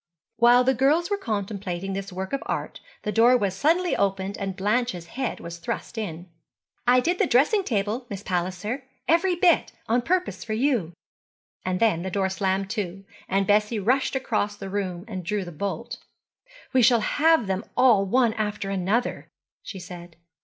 While the girls were contemplating this work of art the door was suddenly opened and Blanche's head was thrust in. 'I did the dressing table, Miss Palliser, every bit, on purpose for you.' And the door then slammed to, and Bessie rushed across the room and drew the bolt. 'We shall have them all one after another,' she said.